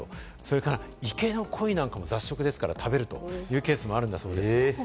それから池のコイなども、雑食ですから食べるというケースもあるんだそうです。